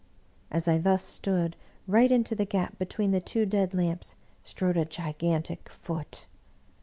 As I thus stood, right into the gap be tween the two dead lamps strode a gigantic Foot.